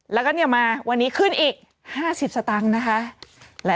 แล้วก็มาวันนี้ขึ้นอีก๕๐สตางค์นะคะ